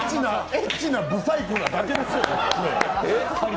エッチな不細工なだけですよ！？